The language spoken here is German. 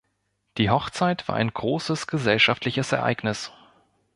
Die Hochzeit war ein großes gesellschaftliches Ereignis.